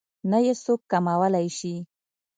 نه يې څوک کمولی شي.